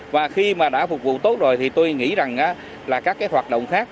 và khi mà đã phục vụ tốt rồi thì tôi nghĩ rằng là các cái hoạt động khác